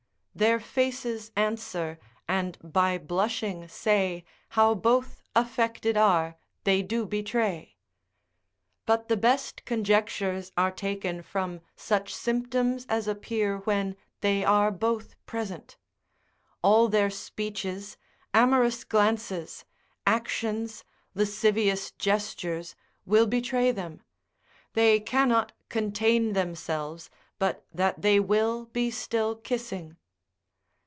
Their faces answer, and by blushing say, How both affected are, they do betray. But the best conjectures are taken from such symptoms as appear when they are both present; all their speeches, amorous glances, actions, lascivious gestures will betray them; they cannot contain themselves, but that they will be still kissing.